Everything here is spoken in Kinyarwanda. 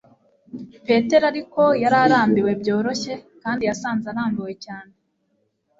petero ariko yararambiwe byoroshye, kandi yasanze arambiwe cyane